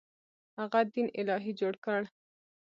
هغه دین الهي جوړ کړ.